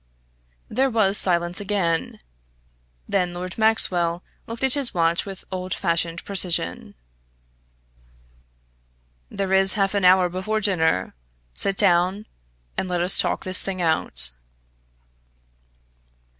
There was silence again. Then Lord Maxwell looked at his watch with old fashioned precision. "There is half an hour before dinner. Sit down, and let us talk this thing out."